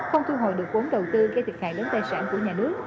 không thu hồi được vốn đầu tư gây thiệt hại lớn tài sản của nhà nước